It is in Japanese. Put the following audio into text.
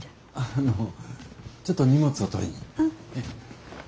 あのちょっと荷物を取りに。